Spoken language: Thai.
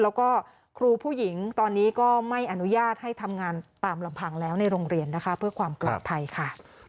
แล้วก็ครูผู้หญิงตอนนี้ก็ไม่อนุญาตให้ทำงานตามลำพังแล้วในโรงเรียนนะคะเพื่อความปลอดภัยค่ะ